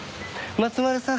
松丸さん。